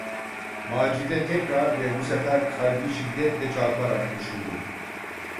Macide tekrar ve bu sefer kalbi şiddetle çarparak düşündü: